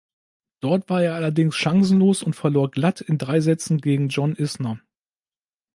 Dort war er allerdings chancenlos und verlor glatt in drei Sätzen gegen John Isner.